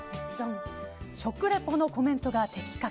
食リポのコメントが的確。